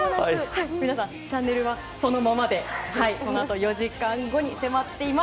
皆さんチャンネルはそのままでこのあと４時間後に迫っています。